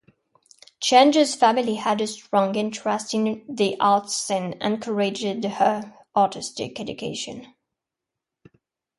Shange's family had a strong interest in the arts and encouraged her artistic education.